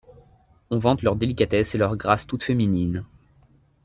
On vante leur délicatesse et leur grâce toute féminine.